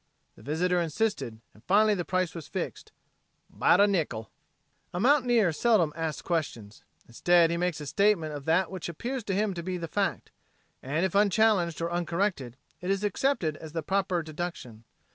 The visitor insisted, and finally the price was fixed: "Bout a nickel!" A mountaineer seldom asks questions. Instead he makes a statement of that which appears to him to be the fact, and if unchallenged or uncorrected, it is accepted as the proper deduction.